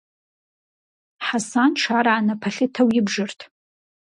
Хьэсанш ар анэ пэлъытэу ибжырт.